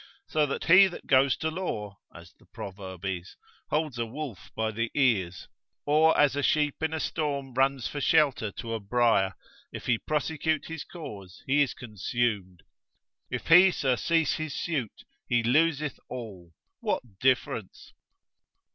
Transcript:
So that he that goes to law, as the proverb is, holds a wolf by the ears, or as a sheep in a storm runs for shelter to a brier, if he prosecute his cause he is consumed, if he surcease his suit he loseth all; what difference?